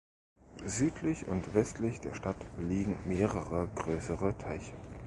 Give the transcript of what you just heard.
Südlich und westlich der Stadt liegen mehrere größere Teiche.